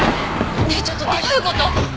ねえちょっとどういう事？